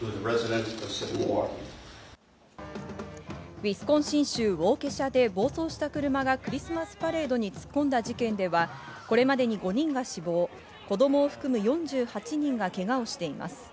ウィスコンシン州ウォーケシャで暴走した車がクリスマスパレードに突っ込んだ事件ではこれまでに５人が死亡、子供を含む４８人がけがをしています。